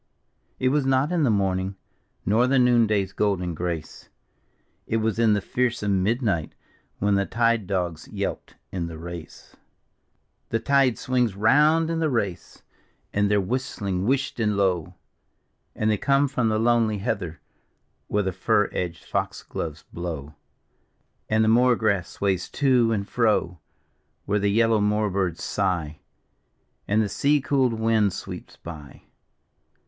It was not in the morning, nor the noonday's golden grace, — It was in the fearsome midnight, when the tide dogs yelped in the Race: D,gt,, erihyGOOgle The Victor 187 The tide swings round in the Race, and they're whistling whisht and low, And they come from the lonely heather, where the fur edged fox gloves blow, And the moor grass sways to and fro, Where the yellow moor birds sigh. And the sea cooled wind sweeps by.